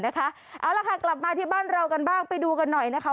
เอาล่ะค่ะกลับมาที่บ้านเรากันบ้างไปดูกันหน่อยนะคะ